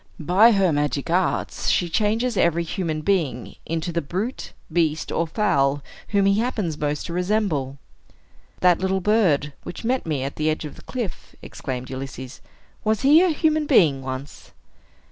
By her magic arts she changes every human being into the brute, beast, or fowl whom he happens most to resemble." "That little bird, which met me at the edge of the cliff," exclaimed Ulysses; "was he a human being once?"